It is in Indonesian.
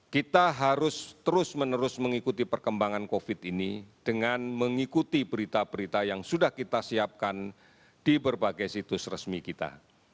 kita harus terus menerus mengikuti perkembangan covid ini dengan mengikuti berita berita yang sudah kita siapkan di berbagai situs resmi kita